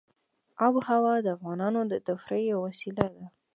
آب وهوا د افغانانو د تفریح یوه وسیله ده.